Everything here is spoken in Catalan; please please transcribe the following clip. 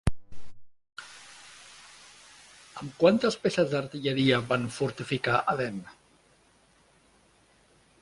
Amb quantes peces d'artilleria van fortificar Aden?